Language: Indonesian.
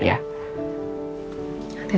saya tarik ya